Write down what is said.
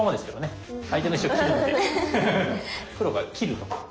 黒が「切る」とか。